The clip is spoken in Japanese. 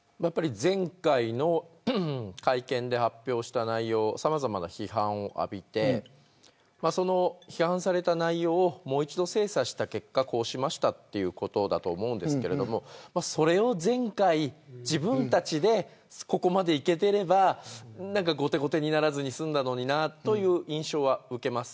前回の会見で発表した内容さまざまな批判を浴びて批判された内容をもう一度精査した結果こうしましたということだと思うんですけどそれを前回、自分たちでここまでいけてれば後手後手にならずに済んだのになという印象は受けます。